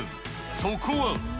そこは。